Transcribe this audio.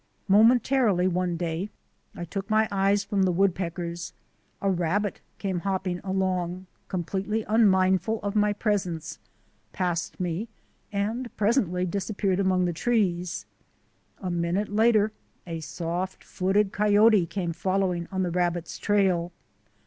Momentarily one day I took my eyes from the woodpeckers. A rabbit came hopping along, com pletely unmindful of my presence, passed me, and presently disappeared among the trees. A minute later a soft footed coyote came following on the rabbit's trail.